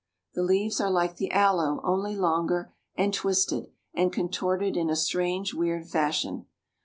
The leaves are like the aloe, only longer, and twisted and contorted in a strange, weird fashion.